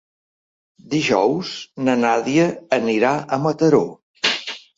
Dijous na Nàdia anirà a Mataró.